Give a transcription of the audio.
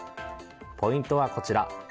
ポイントはこちら。